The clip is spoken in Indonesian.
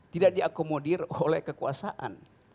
tidak diakomodir oleh kekuasaan